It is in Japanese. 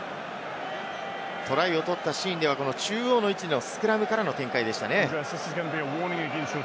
トライを取ったシーンでは中央の位置のスクラムからの展開でしたね。